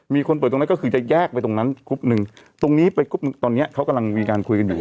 มีคนเปิดตรงนั้นก็คือจะแยกไปตรงนั้นกรุ๊ปหนึ่งตรงนี้ไปกรุ๊ปหนึ่งตอนเนี้ยเขากำลังมีการคุยกันอยู่